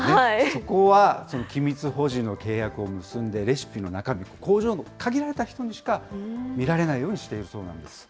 そこは、機密保持の契約を結んで、レシピの中身は工場の限られた人にしか見られないようにしているそうなんです。